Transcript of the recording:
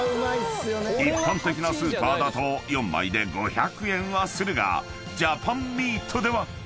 ［一般的なスーパーだと４枚で５００円はするがジャパンミートでは］